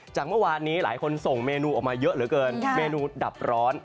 จากเมื่อวานนี้หลายคนส่งเมนูออกมาเยอะเหลือเกินเมนูดับร้อน